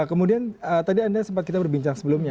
kemudian tadi anda sempat kita berbincang sebelumnya